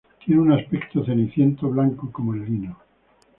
Tiene un aspecto ceniciento, blanco como el lino.